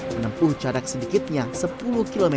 menempuh jarak sedikitnya sepuluh km